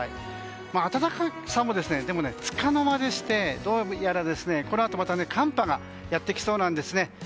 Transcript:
でも、暖かさもつかの間でしてどうやらこのあと、また寒波がやってきそうなんですね。